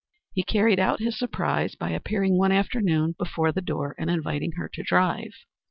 He carried out his surprise by appearing one afternoon before the door and inviting her to drive.